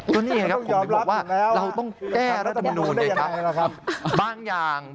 ก็นี่นั่นครับผมจะบอกว่าเราต้องแก้รัฐธรรมนุนเพียงไงค่ะ